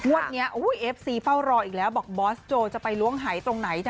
วันนี้เอฟซีเฝ้ารออีกแล้วบอกบอสโจจะไปล้วงหายตรงไหนจ้